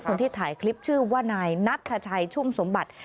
คนที่ถ่ายคลิปชื่อว่านายนัทชัยชุ่มสมบัติ